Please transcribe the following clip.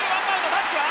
タッチは？